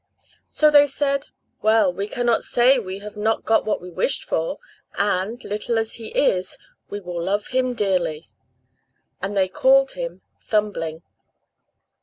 So they said, "Well, we cannot say we have not got what we wished for, and, little as he is, we will love him dearly;" and they called him Thumbling.